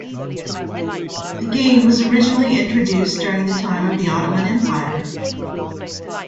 The game was originally introduced during the time of the Ottoman Empire.